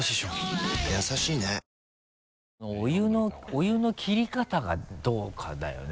お湯の切り方がどうかだよね。